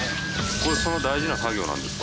これ大事な作業なんですか？